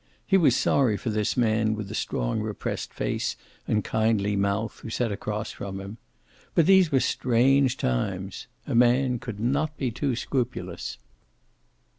He was sorry for this man with the strong, repressed face and kindly mouth, who sat across from him. But these were strange times. A man could not be too scrupulous.